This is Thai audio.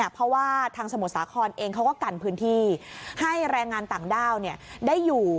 เพราะว่าทางสมุทรสาครเองเขาก็กันพื้นที่ให้แรงงานต่างด้าวได้อยู่